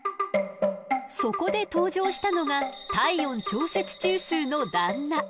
そこで登場したのが体温調節中枢の旦那。